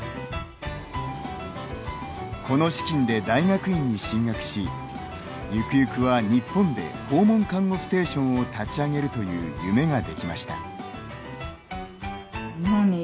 この資金で大学院に進学しゆくゆくは日本で訪問看護ステーションを立ち上げるという夢ができました。